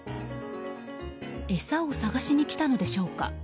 餌を探しに来たのでしょうか。